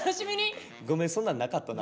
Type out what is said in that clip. ごめんそんなんなかったな。